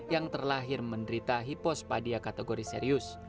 yang terlahir menderita hipospadia kategori serius